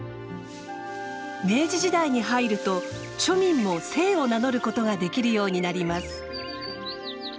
明治時代に入ると庶民も姓を名乗ることができるようになります。